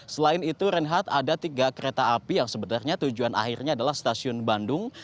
selain itu reinhard ada tiga kereta api yang sebenarnya tujuan akhirnya adalah stasiun bandung